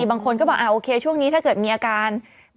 บางคนก็บอกโอเคช่วงนี้ถ้าเกิดมีอาการ